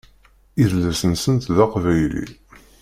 Idles-nsent d aqbayli.